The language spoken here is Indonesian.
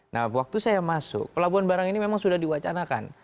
nah waktu saya masuk pelabuhan barang ini memang sudah diwacanakan